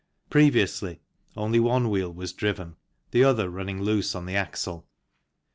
Previously, only one wheel was driven the other running loose on the axle.